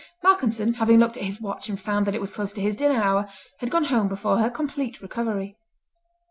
Malcolmson having looked at his watch, and found that it was close to his dinner hour, had gone home before her complete recovery.